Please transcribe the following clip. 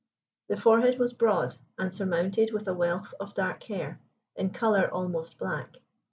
The forehead was broad, and surmounted with a wealth of dark hair, in color almost black.